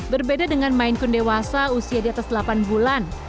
berbeda dengan main kun dewasa usia diatas delapan bulan